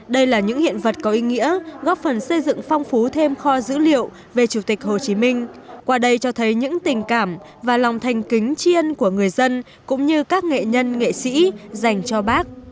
đây là những hiện vật có ý nghĩa góp phần xây dựng phong phú thêm kho dữ liệu về chủ tịch hồ chí minh qua đây cho thấy những tình cảm và lòng thành kính chiên của người dân cũng như các nghệ nhân nghệ sĩ dành cho bác